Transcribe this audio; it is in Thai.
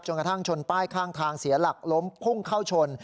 กระทั่งชนป้ายข้างทางเสียหลักล้มพุ่งเข้าชน